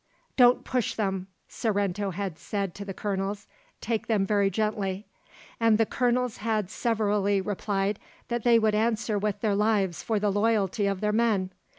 "Don't push them," Sorrento had said to the colonels, "take them very gently;" and the colonels had severally replied that they would answer with their lives for the loyalty of their men.